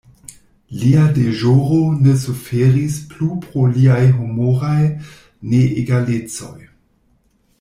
Lia deĵoro ne suferis plu pro liaj humoraj neegalecoj.